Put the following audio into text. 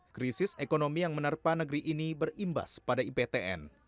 krisis ekonomi yang menerpa negeri ini berimbas pada iptn